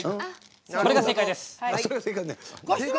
これが正解です。